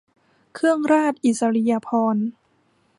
เครื่องราชอิสริยาภรณ์